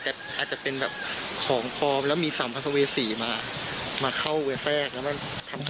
แต่อาจจะเป็นแบบของปลอมแล้วมีสามพันธุ์ส่วนเวสีมาเข้าเวลาแทรก